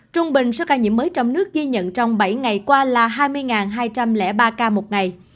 trung bình số ca nhiễm mới trong nước ghi nhận trong bảy ngày qua là hai mươi hai trăm linh ba ca một ngày